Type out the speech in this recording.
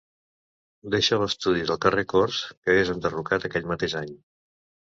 Deixa l'estudi del carrer Corts que és enderrocat aquell mateix any.